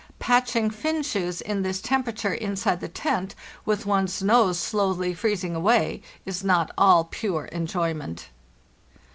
Patching Finn shoes in this temperature inside the tent, with one's nose slowly freezing away, is not all pure en joyment.